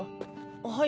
はい。